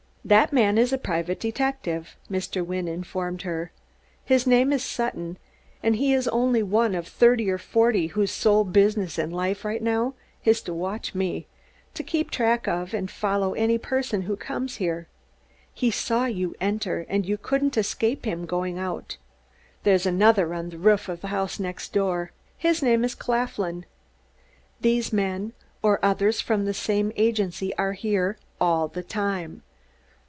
"That man is a private detective," Mr. Wynne informed her. "His name is Sutton, and he is only one of thirty or forty whose sole business in life, right now, is to watch me, to keep track of and follow any person who comes here. He saw you enter, and you couldn't escape him going out. There's another on the roof of the house next door. His name is Claflin. These men, or others from the same agency, are here all the time.